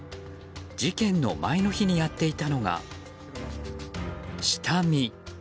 事件の前の日にやっていたのが下見。